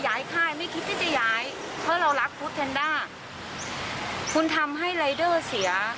ย้ายค่ายไม่คิดที่จะย้ายเพราะเรารักคุณทำให้เสีย